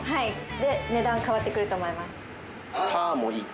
で値段変わってくると思います。